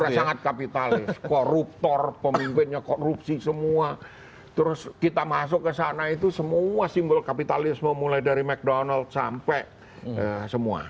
karena sangat kapitalis koruptor pemimpinnya korupsi semua terus kita masuk ke sana itu semua simbol kapitalisme mulai dari ⁇ mcdonald sampai semua